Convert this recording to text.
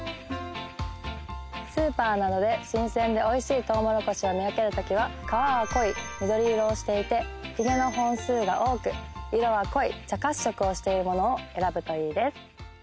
スーパーなどで新鮮でおいしいとうもろこしを見分けるときは皮は濃い緑色をしていてヒゲの本数が多く色は濃い茶褐色をしているものを選ぶといいです